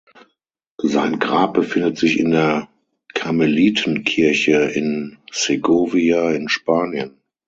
Sein Grab befindet sich in der Karmelitenkirche in Segovia in Spanien.